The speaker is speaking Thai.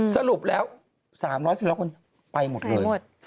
สรุปแล้ว๓๔๐๐คนไปหมดเลย